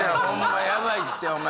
ヤバいってお前！